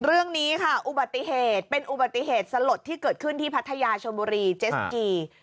เรื่องนี้ค่ะอุบัติเหตุเป็นอุบัติเหตุสลดที่เกิดขึ้นที่พัทยาชนบุรีเจสกี